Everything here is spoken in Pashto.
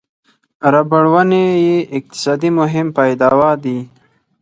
ربړ ونې یې اقتصادي مهم پیداوا دي.